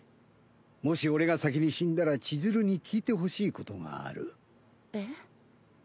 もし俺が先に死んだらちづるに聞いてほしいことがあるえっ？